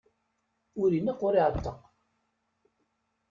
Ur ineqq, ur iɛetteq.